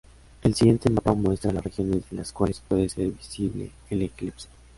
El siguiente mapa muestra las regiones desde las cuales pudo ser visible el eclipse.